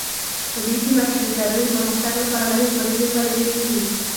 په دې سیمه کې د کرنې د پرمختګ لپاره نوې پروژې پلې شوې دي